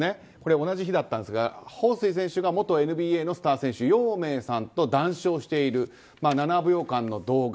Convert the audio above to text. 同じ日だったんですがホウ・スイ選手が元ＮＢＡのスター選手ヨウ・メイさんと談笑している７秒間の動画。